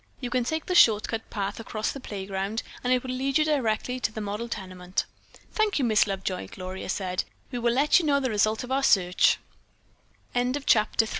You can take the short cut path across the playground and it will lead you directly to the model tenement." "Thank you, Miss Lovejoy," Gloria said. "We will let you know the result of our search." CHAPTER IV. A HAUNTED HOUSE The